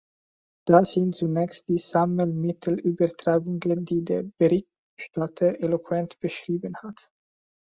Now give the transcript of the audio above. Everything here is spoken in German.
Da sind zunächst die "Sammelmittelübertragungen", die der Berichterstatter eloquent beschrieben hat.